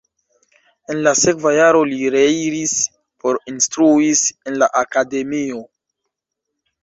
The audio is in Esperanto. En la sekva jaro li reiris por instruis en la akademio.